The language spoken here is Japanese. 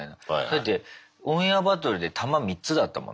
だってオンエアバトルで玉３つだったもんな。